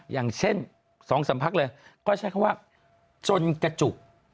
อย่างเช่น๒๓พักเลยก็ใช้คำว่าจนกระจุก